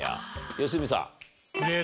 良純さん。